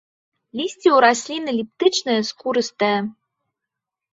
Лісце ў раслін эліптычнае, скурыстае.